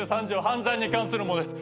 犯罪に関するものです。